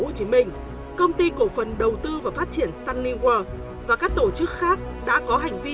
vạn thuận công ty cổ phần đầu tư và phát triển sunny world và các tổ chức khác đã có hành vi